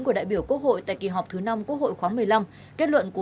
của đại biểu quốc hội tại kỳ họp thứ năm quốc hội khóa một mươi năm kết luận của